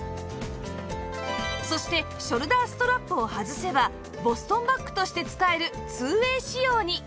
そしてショルダーストラップを外せばボストンバッグとして使える ２ＷＡＹ 仕様に